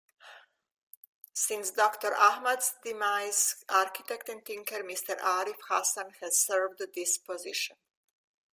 Since Doctor Ahmad's demise, architect and thinker Mr. Arif Hasan has served this position.